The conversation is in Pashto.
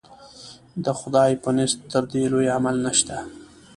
د خدای په نزد تر دې لوی عمل نشته.